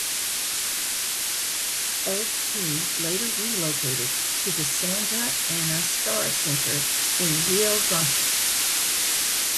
Both teams later relocated to the Santa Ana Star Center in Rio Rancho.